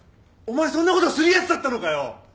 お前そんなことするやつだったのかよ！？